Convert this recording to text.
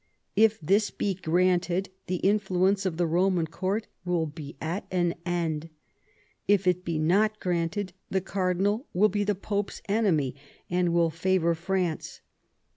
If this be granted the influence of the Eoman Court will be at an end ; if it be not granted the Cardinal will be the Pope's enemy and will favour France.